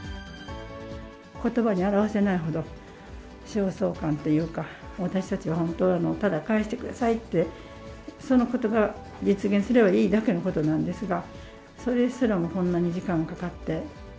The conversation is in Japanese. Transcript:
ことばに表せないほど、焦燥感というか、私たちは本当はただ帰してくださいって、そのことが実現すればいいだけのことなんですが、それすらも、こんなに時間かかって。